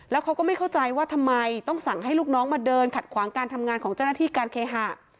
แล้วเขาก็ไม่เข้าใจว่าทำไมต้องสั่งให้ลูกน้องมาเดินขัดขวางการทำงานของเจ้าหน้าที่การเคหะ